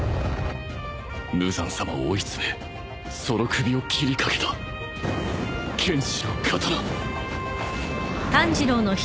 無惨さまを追い詰めその首を斬りかけた剣士の刀